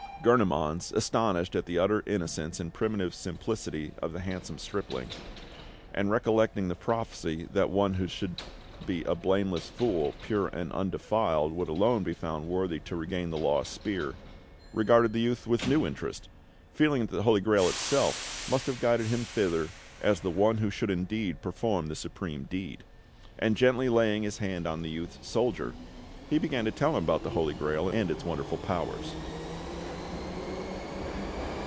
Gurnemanz, astonished at the utter innocence and primitive simplicity of the handsome stripling, and recollecting the prophecy that one who should be a "Blameless Fool," pure and undefiled, would alone be found worthy to regain the lost spear, regarded the youth with new interest, feeling that the Holy Grail itself must have guided him thither as the one who should indeed perform the supreme deed; and gently laying his hand on the youth's shoulder, he began to tell him about the Holy Grail and its wonderful powers.